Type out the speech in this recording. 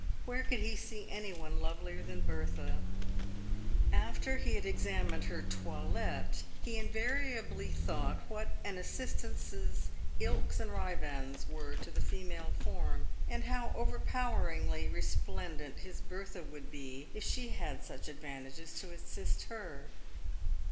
Where could he see any one lovelier than Bertha ? After he had examined her toilet, he in variably thought what an assistances ilks and ribands were to the 300 PAVED WITH GOLD. female form, and how overpoweringly resplendent his Bertha would be if she had such advantages to assist her.